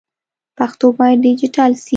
پښتو باید ډيجيټل سي.